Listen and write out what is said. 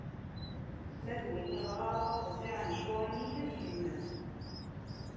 Ma d win iɣer ara tafeḍ tiɛencuṛin-ik, ad immet!